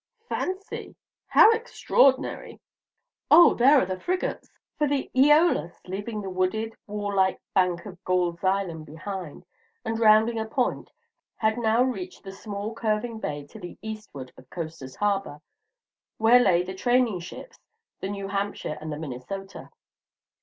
"Fancy! How extraordinary! Oh, there are the frigates!" For the "Eolus," leaving the wooded, wall like bank of Gould's Island behind, and rounding a point, had now reached the small curving bay to the eastward of Coasters' Harbor, where lay the training ships, the "New Hampshire" and the "Minnesota."